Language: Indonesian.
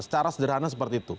secara sederhana seperti itu